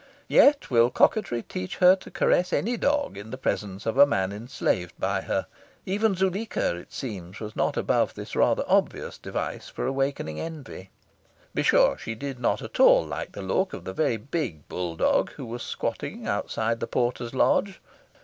Yet will coquetry teach her to caress any dog in the presence of a man enslaved by her. Even Zuleika, it seems, was not above this rather obvious device for awaking envy. Be sure she did not at all like the look of the very big bulldog who was squatting outside the porter's lodge.